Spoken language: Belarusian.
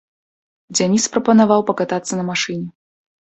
Дзяніс прапанаваў пакатацца на машыне.